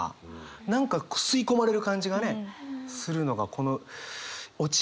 何か吸い込まれる感じがねするのがこの「落ちる」。